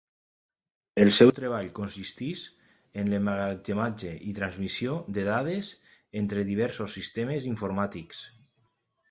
El seu treball consisteix en l’emmagatzematge i transmissió de dades entre diversos sistemes informàtics.